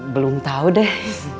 belum tahu deh